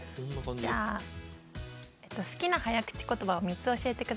好きな早口言葉を３つ教えてください。